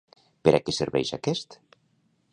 Per a què serveix aquest?